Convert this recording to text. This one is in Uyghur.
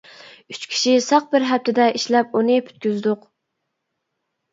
ئۈچ كىشى ساق بىر ھەپتىدە ئىشلەپ ئۇنى پۈتكۈزدۇق.